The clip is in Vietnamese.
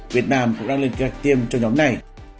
việt nam cũng đang liên kết tiêm cho nhóm này